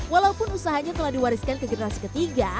walaupun usahanya telah diwariskan ke generasi ketiga